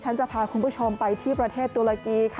จะพาคุณผู้ชมไปที่ประเทศตุรกีค่ะ